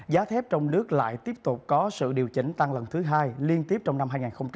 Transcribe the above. giá thép trong nước lại tiếp tục có sự điều chỉnh tăng lần thứ hai liên tiếp trong năm hai nghìn hai mươi ba